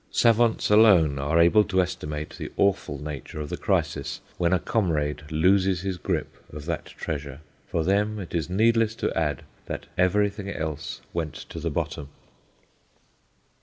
Savants alone are able to estimate the awful nature of the crisis when a comrade looses his grip of that treasure. For them it is needless to add that everything else went to the bottom.